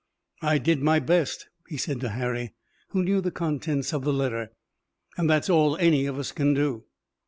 "I did my best," he said to Harry, who knew the contents of the letter, "and that's all any of us can do."